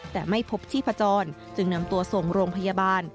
แต่ไม่พบชีพจรจึงนำตัวส่งโรงพยาบาล